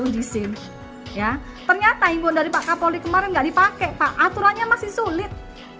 undi sim ya ternyata ingin dari pak kapolri kemarin gak dipakai pak aturannya masih sulit